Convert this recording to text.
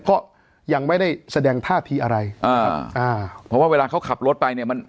ก็ยังไม่ได้แสดงท่าทีอะไรอ่าเพราะว่าเวลาเขาขับรถไปเนี้ย